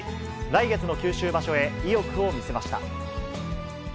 来月の九州場所へ意欲を見せました。